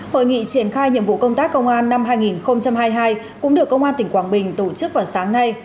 hội nghị triển khai nhiệm vụ công tác công an năm hai nghìn hai mươi hai cũng được công an tỉnh quảng bình tổ chức vào sáng nay